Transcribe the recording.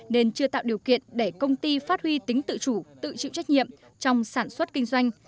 nên chưa tạo điều kiện để công ty phát huy tính tự chủ tự chịu trách nhiệm trong sản xuất kinh doanh